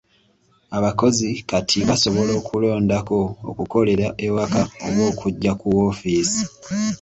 Abakozi kati basobola okulondako okukolera ewaka oba okujja ku woofiisi.